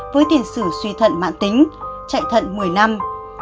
với tiền sử suy thận mạng tính chạy thận một mươi năm